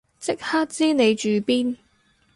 即刻知你住邊